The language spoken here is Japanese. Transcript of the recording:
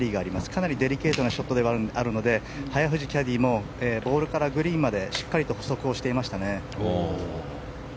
かなりデリケートなショットではあるので、早藤キャディーもボールからグリーンまでしっかり歩測していましたね。